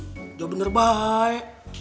jangan benar baik